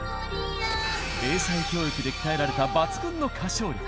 英才教育で鍛えられた抜群の歌唱力。